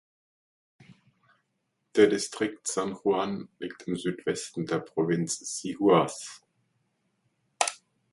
Der Distrikt San Juan liegt im Südwesten der Provinz Sihuas.